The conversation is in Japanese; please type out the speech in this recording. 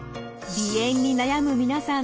鼻炎に悩む皆さん